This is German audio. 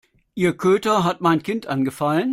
Ihr Köter hat mein Kind angefallen.